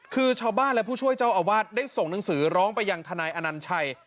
คือชาวบ้านและผู้ช่วยเจ้าอาวาสได้ส่งหนังสือร้องไปยังทนายอนัญชัย